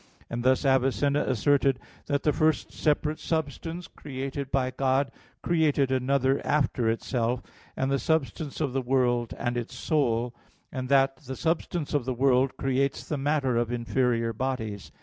And thus Avicenna asserted that the first separate substance created by God created another after itself, and the substance of the world and its soul; and that the substance of the world creates the matter of inferior bodies.